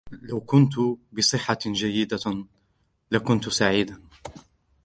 لو كنت بصحة جيدة لكنت سعيدا.